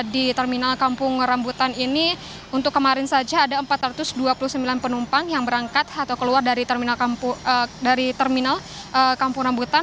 di terminal kampung rambutan ini untuk kemarin saja ada empat ratus dua puluh sembilan penumpang yang berangkat atau keluar dari terminal kampung rambutan